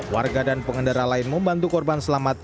warga dan pengendara lain membantu korban selamat